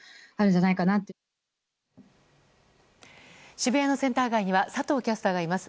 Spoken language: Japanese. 渋谷のセンター街には佐藤キャスターがいます。